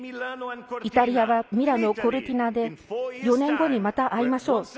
イタリアはミラノ・コルティナで４年後にまた会いましょう。